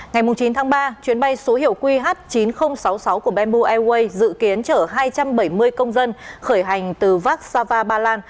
ngày chín tháng ba chuyến bay số hiệu qh chín nghìn sáu mươi sáu của bamboo airways dự kiến chở hai trăm bảy mươi công dân khởi hành từ vác sava ba lan